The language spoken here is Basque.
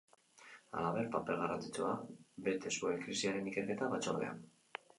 Halaber, paper garrantzitsua bete zuen krisiaren ikerketa batzordean.